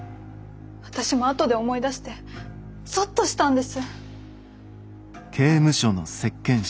私も後で思い出してゾッとしたんです。